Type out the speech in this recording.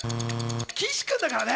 岸君だからね。